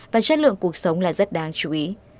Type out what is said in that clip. và chất lượng cuộc sống là rất đáng chú ý